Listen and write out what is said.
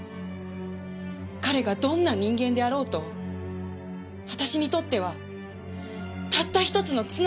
彼がどんな人間であろうと私にとってはたった１つのつながりなんです！